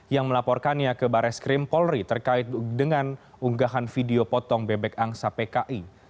yang melaporkannya ke baris krim polri terkait dengan unggahan video potong bebek angsa pki